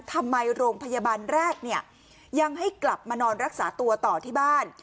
ทำไมโรงพยาบาลแรกเนี่ยยังให้กลับมานอนรักษาตัวต่อที่บ้าน